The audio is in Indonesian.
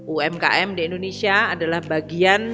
umkm di indonesia adalah bagian